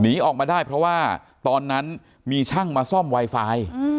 หนีออกมาได้เพราะว่าตอนนั้นมีช่างมาซ่อมไวไฟ